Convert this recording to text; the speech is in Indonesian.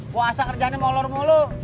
puasa kerjaannya molor molor